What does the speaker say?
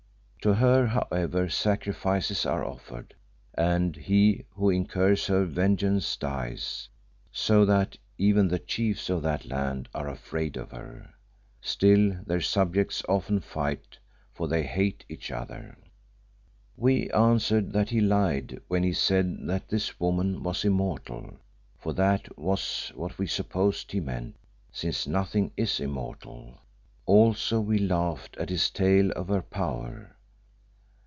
To her, however, sacrifices are offered, and he who incurs her vengeance dies, so that even the chiefs of that land are afraid of her. Still their subjects often fight, for they hate each other. "We answered that he lied when he said that this woman was immortal for that was what we supposed he meant since nothing is immortal; also we laughed at his tale of her power.